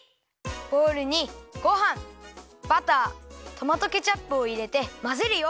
ボウルにごはんバタートマトケチャップをいれてまぜるよ。